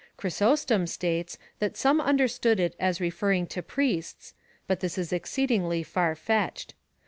Chrysostom states that some understood it as referring to priests/ but this is exceedingly far fetched.